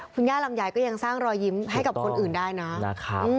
คุณย่าลำไยก็ยังสร้างรอยยิ้มให้กับคนอื่นได้นะนะคะ